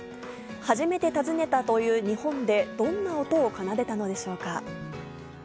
初めて訪ねたという日本でどんな音を奏でたのでしょうか。